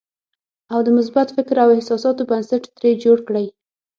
او د مثبت فکر او احساساتو بنسټ ترې جوړ کړئ.